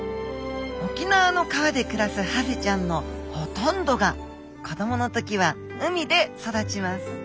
沖縄の川で暮らすハゼちゃんのほとんどが子供の時は海で育ちます。